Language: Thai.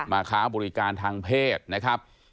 ค้าบริการทางเพศนะครับ